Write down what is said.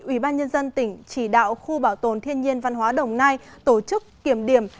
ủy ban nhân dân tỉnh chỉ đạo khu bảo tồn thiên nhiên văn hóa đồng nai tổ chức kiểm điểm